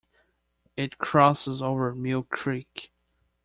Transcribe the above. It crosses over Mill Creek.